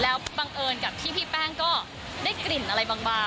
แล้วบังเอิญกับที่พี่แป้งก็ได้กลิ่นอะไรบาง